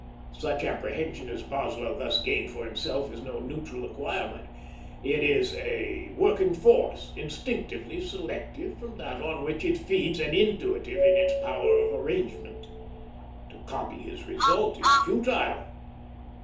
Such apprehension as Boswell thus gained for himself is no neutral acquirement; it is a working force, instinctively selective from that on which it feeds, and intuitive in its power of arrangement. To copy his result is futile.